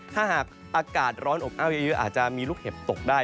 ถ้าหากอากาศร้อนอบอ้าวเยอะอาจจะมีลูกเห็บตกได้